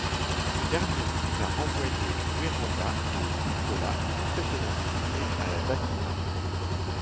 Ce dernier nous a renvoyé Vérand’a et Nicolas complètement shootés à la datura.